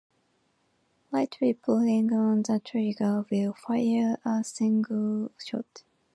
Lightly pulling on the trigger will fire a single shot.